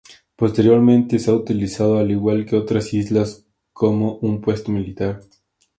Posteriormente se ha utilizado, al igual que otras islas, como un puesto militar.